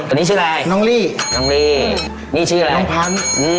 อันนี้ชื่ออะไรน้องลี่น้องลี่นี่ชื่ออะไรน้องพันธุ์